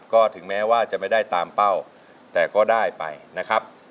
ก็ถึงแม้ว่าจะไม่ได้ตามเป้าแต่ก็ได้ไปนะครับ